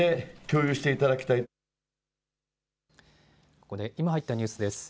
ここで今入ったニュースです。